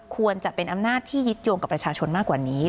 ควรจะเป็นอำนาจที่ยึดโยงกับประชาชนมากกว่านี้